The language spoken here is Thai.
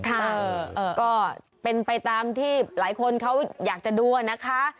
ก็เป็นไปตามที่หลายคนเขาอยากจะดูอะนะคะ